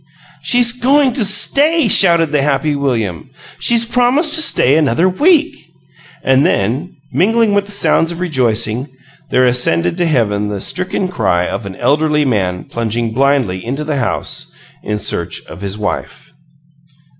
"She's going to stay!" shouted the happy William. "She's promised to stay another week!" And then, mingling with the sounds of rejoicing, there ascended to heaven the stricken cry of an elderly man plunging blindly into the house in search of his wife.